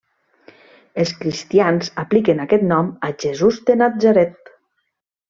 Els cristians apliquen aquest nom a Jesús de Natzaret.